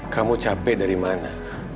kamu capek dari mana